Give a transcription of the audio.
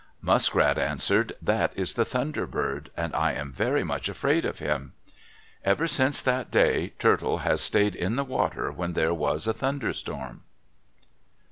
Muskrat answered, "That is the Thunder Bird and I am very much afraid of him." Ever since that day Turtle has stayed in the water when there was a thunderstorm.